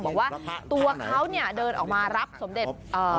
บอกว่าตัวเขาเดินออกมารับสมเด็จพระ